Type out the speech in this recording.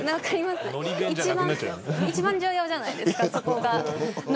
一番重要じゃないですかそこが。